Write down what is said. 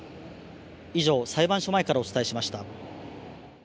以上、裁判所前からお伝えしました。